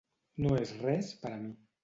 No és res per a mi.